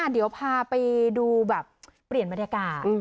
เดี๋ยวพาไปดูแบบเปลี่ยนบรรยากาศ